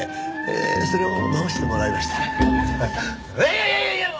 いやいやいやいや！